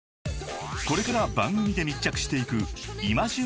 ［これから番組で密着していく今旬